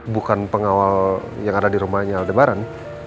bukan pengawal yang ada di rumahnya lebaran